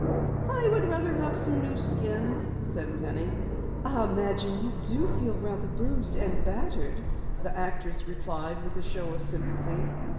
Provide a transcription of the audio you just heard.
"I would rather have some new skin," said Penny. "I imagine you do feel rather bruised and battered," the actress replied with a show of sympathy.